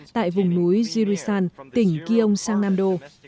tại vùng núi zirisan tỉnh kiong sangnamdo